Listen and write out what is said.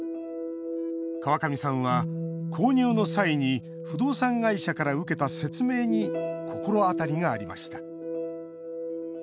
川上さんは購入の際に不動産会社から受けた説明に心当たりがありました。